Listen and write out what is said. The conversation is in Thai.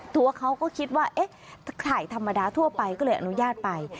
ตัวเขาก็คิดว่าเอ๊ะไข่ธรรมดาทั่วไปก็เลยอนุญาตไป